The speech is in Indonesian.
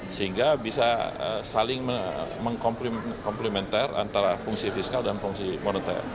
sehingga bisa saling mengkomplementer antara fungsi fiskal dan fungsi moneter